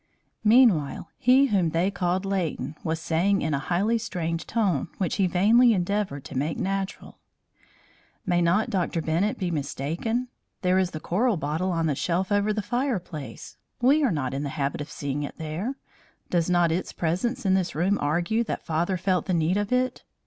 Meanwhile, he whom they called Leighton was saying in a highly strained tone, which he vainly endeavoured to make natural: "May not Dr. Bennett be mistaken? There is the chloral bottle on the shelf over the fireplace. We are not in the habit of seeing it here. Does not its presence in this room argue that father felt the need of it.